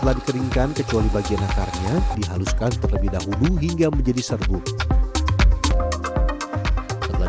telah dikeringkan kecuali bagian akarnya dihaluskan terlebih dahulu hingga menjadi serbuk setelah